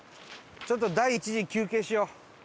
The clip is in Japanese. ちょっと第１次休憩しよう。